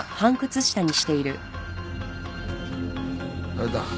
あれだ。